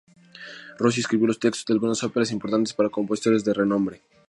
Rossi escribió los textos de algunas óperas importantes para compositores de renombre.